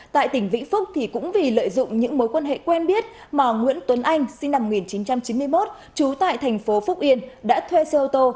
tại tỉnh vĩnh phúc cũng vì lợi dụng những mối quan hệ quen biết mà nguyễn tuấn anh sinh năm một nghìn chín trăm chín mươi một trú tại thành phố phúc yên đã thuê xe ô tô